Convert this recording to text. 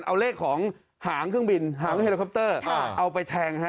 เอาเลขของหางเครื่องบินหางเฮลิคอปเตอร์เอาไปแทง